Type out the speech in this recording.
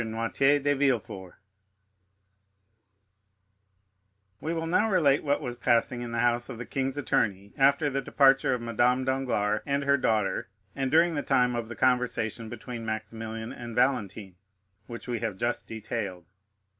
Noirtier de Villefort We will now relate what was passing in the house of the king's attorney after the departure of Madame Danglars and her daughter, and during the time of the conversation between Maximilian and Valentine, which we have just detailed.